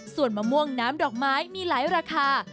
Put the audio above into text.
ส่วนมะม่วงน้ำดอกไม้มีหลายราคา